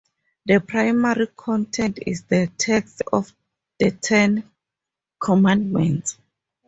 The primary content is the text of the Ten Commandments.